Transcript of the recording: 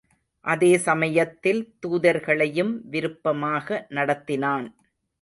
அதே சமயத்தில் தூதர்களையும் விருப்பமாக நடத்தினான்.